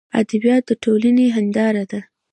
ادبیات دټولني هنداره ده.